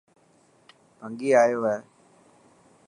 ڀنگي آيو هي.